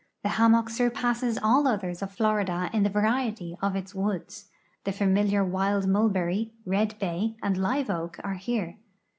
The hammock sur passes all others of Florida in the variety of its woods. The familiar wild mulberry, red bay, and liveoak are here.